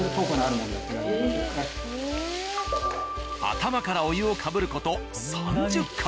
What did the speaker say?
頭からお湯をかぶる事３０回。